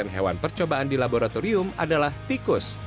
sembilan puluh lima hewan percobaan di laboratorium adalah tikus